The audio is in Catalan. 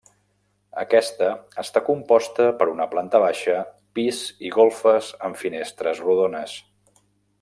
Aquesta, està composta per una planta baixa, pis i golfes amb finestres rodones.